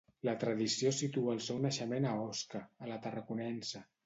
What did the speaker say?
La tradició situa el seu naixement a Osca, a la Tarraconense.